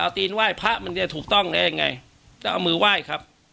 ตีนไหว้พระมันจะถูกต้องได้ยังไงก็เอามือไหว้ครับ